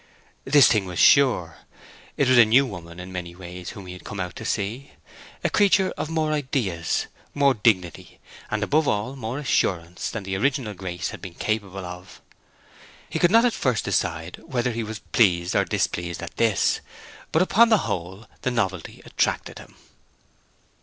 This thing was sure: it was a new woman in many ways whom he had come out to see; a creature of more ideas, more dignity, and, above all, more assurance, than the original Grace had been capable of. He could not at first decide whether he were pleased or displeased at this. But upon the whole the novelty attracted him.